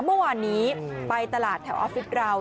เมื่อวานนี้ไปตลาดแถวออฟฟิศเรา